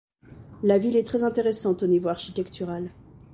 La ville est très intéressante au niveau architectural.